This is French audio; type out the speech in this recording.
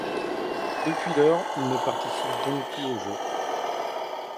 Depuis lors, il ne participe donc plus aux Jeux.